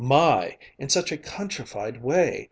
My, in such a countrified way!